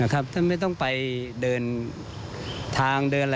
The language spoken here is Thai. ท่านไม่ต้องไปเดินทางเดินอะไร